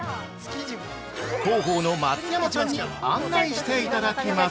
広報の松山さんに案内していただきます。